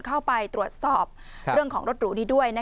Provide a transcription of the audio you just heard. เข้าไปตรวจสอบเรื่องของรถหรูนี้ด้วย